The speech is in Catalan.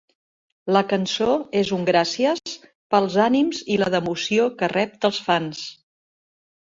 La cançó és un "gràcies" pels ànims i la devoció que rep dels fans.